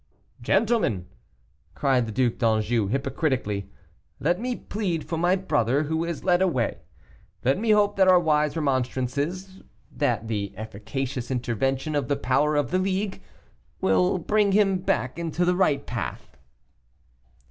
"Gentlemen!" cried the Duc d'Anjou, hypocritically, "let me plead for my brother, who is led away. Let me hope that our wise remonstrances, that the efficacious intervention of the power of the League, will bring him back into the right path."